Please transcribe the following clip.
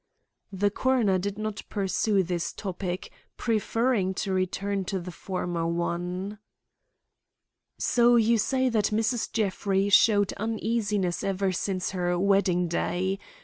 The coroner did not pursue this topic, preferring to return to the former one. "So you say that Mrs. Jeffrey showed uneasiness ever since her wedding day.